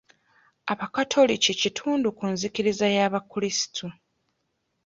Abakatoliki kitundu ku nzikiriza y'abakulisitu.